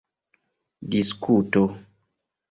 diskuto